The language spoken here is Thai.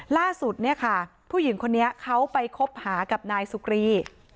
ล่าสุดผู้หญิงคนนี้เขาไปคบหากับนายสุกรี